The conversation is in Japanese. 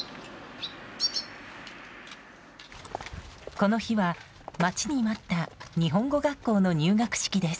この日は、待ちに待った日本語学校の入学式です。